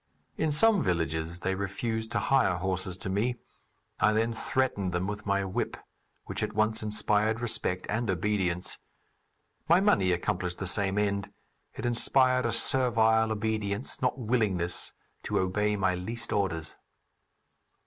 In some villages they refused to hire horses to me; I then threatened them with my whip, which at once inspired respect and obedience; my money accomplished the same end; it inspired a servile obedience not willingness to obey my least orders.